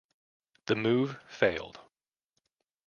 The move failed.